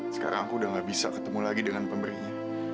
sekarang aku udah gak bisa ketemu lagi dengan pemberinya